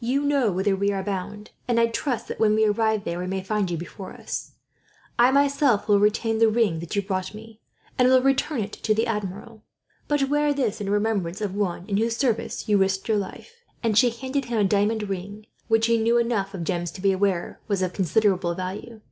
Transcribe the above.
You know whither we are bound, and I trust that, when we arrive there, we may find you before us. I myself will retain the ring that you brought me, and will return it to the Admiral; but wear this, in remembrance of one in whose service you risked your life," and she handed him a diamond ring, which he knew enough of gems to be aware was of considerable value.